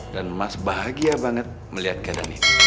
dan mas bahagia banget melihat keadaan ini